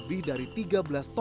bumk kampung sampah blank room